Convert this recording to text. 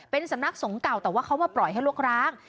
เป็นสำนักสงฆ์เก่าแต่ว่าเขามาปล่อยให้ลกร้าง